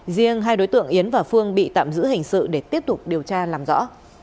riêng hai đối tượng yến và phương bị tạm giữ hình sự để tiếp tục điều tra làm rõ